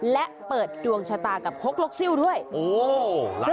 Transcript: และเปิดดวงชะตากับหกหลอกซิวด้วยโอ้หลายเทพนะ